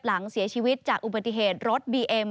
หลังเสียชีวิตจากอุบัติเหตุรถบีเอ็ม